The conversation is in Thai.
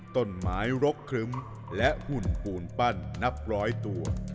ต้นไม้รกครึ้มและหุ่นปูนปั้นนับร้อยตัว